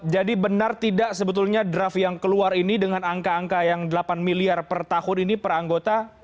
benar tidak sebetulnya draft yang keluar ini dengan angka angka yang delapan miliar per tahun ini per anggota